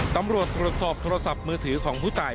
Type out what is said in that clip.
ตำรวจตรวจสอบโทรศัพท์มือถือของผู้ตาย